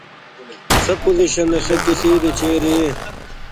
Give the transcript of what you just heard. "It may possibly take me a week or more," rejoined the other.